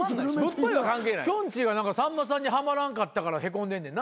きょんちぃはさんまさんにはまらんかったからへこんでんねんな？